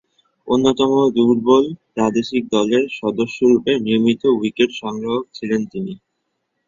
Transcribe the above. অন্যতম দুর্বল প্রাদেশিক দলের সদস্যরূপে নিয়মিত উইকেট সংগ্রাহক ছিলেন তিনি।